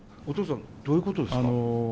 お父さんどういうことですか？